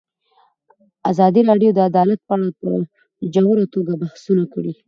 ازادي راډیو د عدالت په اړه په ژوره توګه بحثونه کړي.